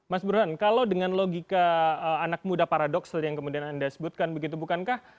mas burhan kalau dengan logika anak muda paradoksel yang kemudian anda sebutkan begitu bukankah